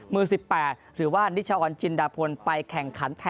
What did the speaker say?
มือ๑๘หรือว่านิชออนจินดาพลไปแข่งขันแทน